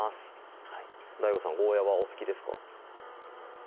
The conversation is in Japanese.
ＤＡＩＧＯさんゴーヤはお好きですか？